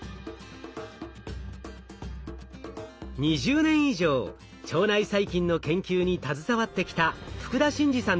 ２０年以上腸内細菌の研究に携わってきた福田真嗣さんです。